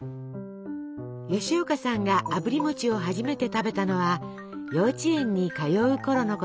吉岡さんがあぶり餅を初めて食べたのは幼稚園に通うころのこと。